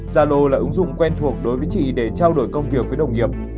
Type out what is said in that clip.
zalo là ứng dụng quen thuộc đối với chị để trao đổi công việc với đồng nghiệp